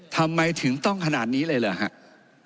ทำไมถึงต้องขนาดนี้เลยเหรอครับ